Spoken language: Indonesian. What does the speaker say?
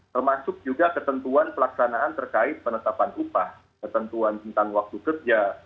termasuk juga ketentuan pelaksanaan terkait penetapan upah ketentuan tentang waktu kerja